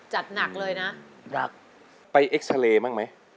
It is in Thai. จัดหนักเลยนะอยากไปเอ็กซาเรย์บ้างไหม